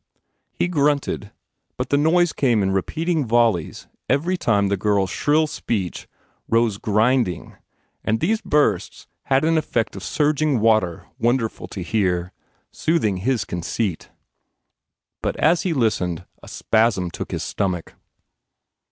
He grunted but the noise came in repeating volleys every time the girl s shrill speech rose grinding and these bursts had an effect of surging water wonderful to hear, soothing his conceit. But as he listened a spasm took his stomach.